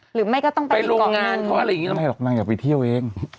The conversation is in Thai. หรือไม่ก็ต้องไปโรงงานเขาอะไรอย่างนี้ทำไมหรอกนางอยากไปเที่ยวเอง